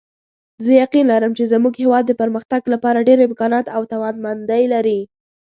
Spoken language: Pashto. زه یقین لرم چې زموږ هیواد د پرمختګ لپاره ډېر امکانات او توانمندۍ لري